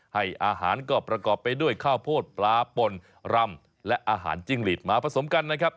ให้อาหารก็ประกอบไปด้วยข้าวโพดปลาป่นรำและอาหารจิ้งหลีดมาผสมกันนะครับ